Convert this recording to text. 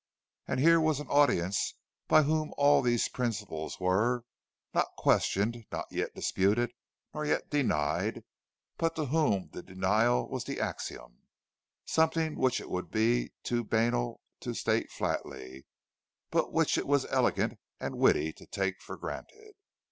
And here was an audience by whom all these principles were—not questioned, nor yet disputed, nor yet denied—but to whom the denial was the axiom, something which it would be too banal to state flatly, but which it was elegant and witty to take for granted.